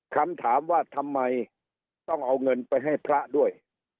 คำถามว่าทำไมต้องเอาเงินไปให้พระด้วย